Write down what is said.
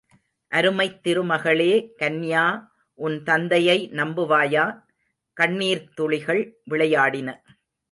அருமைத் திருமகளே, கன்யா!.உன் தந்தையை நம்புவாயா?... கண்ணீர்த்துளிகள் விளையாடின.